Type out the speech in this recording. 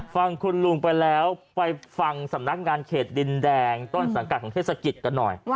ฟังคุณลุงไปแล้วไปฟังสำนักงานเขตดินแดงต้นสังกัดของเทศกิจกันหน่อย